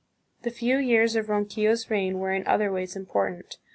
The few years of Ronquillo's reign were in other ways important.